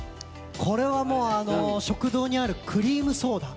これは食堂にあるクリームソーダ。